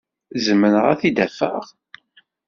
Zemreɣ ad t-id-afeɣ?